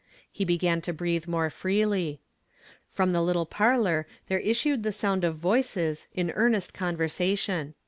He began to breathe more freely. From the little parh»r there issued the so'.nd of voices m earnest convei sation.